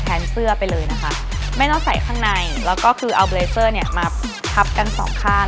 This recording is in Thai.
แผนเสื้อไปเลยนะคะไม่ต้องใส่ข้างในแล้วก็เอาแบลเซอร์ดับกันสองข้าง